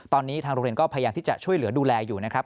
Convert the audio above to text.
ตอนนี้ทางโรงเรียนก็พยายามที่จะช่วยเหลือดูแลอยู่นะครับ